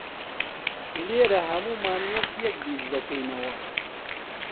لێرە ھەموومان وەک یەک بیردەکەینەوە.